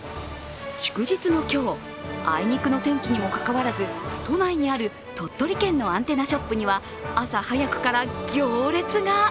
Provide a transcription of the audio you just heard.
祝日の今日、あいにくの天気にもかかわらず、都内にある鳥取県のアンテナショップには朝早くから行列が。